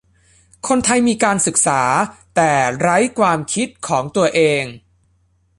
คนไทยมีการศึกษาแต่ไร้ความคิดของตัวเอง